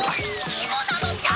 キモなのじゃ！